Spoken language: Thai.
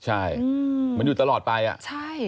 ใช่มันอยู่ตลอดไป